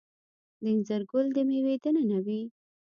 د انځر ګل د میوې دننه وي؟